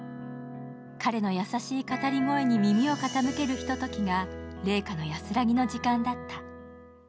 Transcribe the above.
彼の優しい語り声に耳を傾けるひとときが怜花の安らぎの時間だった。